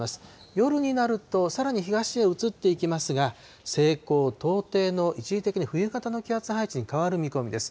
夜になるとさらに東へ移っていきますが、西高東低の一時的に冬型の気圧配置に変わる見込みです。